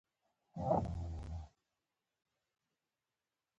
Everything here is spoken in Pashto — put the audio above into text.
اوبه د حافظې ځواک لوړوي.